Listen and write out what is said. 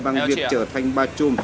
bằng việc trở thành ba chôm